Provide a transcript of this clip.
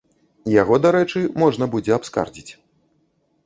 Яго, дарэчы, можна будзе абскардзіць.